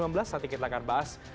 nanti kita akan bahas